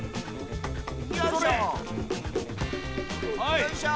よいしょ！